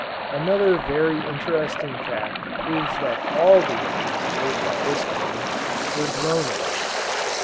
Another very interesting fact proves that all the eggs laid by this Queen, were drone eggs.